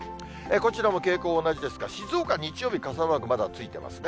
こちらも傾向同じですが、静岡、日曜日傘マークまだついてますね。